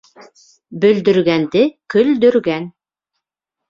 Бөлдөргәнде көлдөргән!